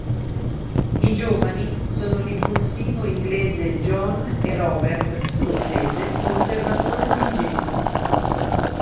I giovani sono l'impulsivo inglese John e Robert, scozzese, conservatore ma ingenuo.